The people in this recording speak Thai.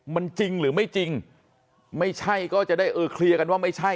มันจริงหรือไม่จริงไม่ใช่ก็จะได้เออเคลียร์กันว่าไม่ใช่